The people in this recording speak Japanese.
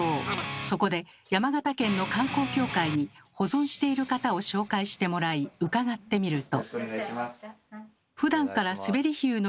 そこで山形県の観光協会に保存している方を紹介してもらい伺ってみると。